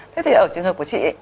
thế thì ở trường hợp của chị